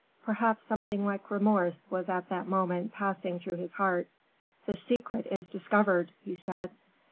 Perhaps something like remorse was at that moment passing through his heart. "The secret is discovered," he said.